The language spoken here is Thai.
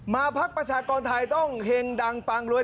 พักประชากรไทยต้องเห็งดังปังรวย